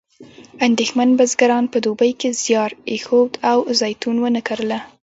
اندېښمن بزګران په دوبي کې زیار ایښود او زیتون ونه کرله.